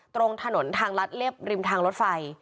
ตรงถนนทางลัดเรียบริมทางรถไฟ